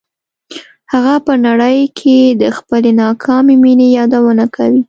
هغه په نړۍ کې د خپلې ناکامې مینې یادونه کوي